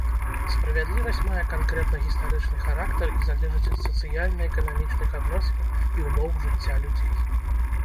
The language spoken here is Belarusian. Справядлівасць мае канкрэтна-гістарычны характар і залежыць ад сацыяльна-эканамічных адносін і ўмоў жыцця людзей.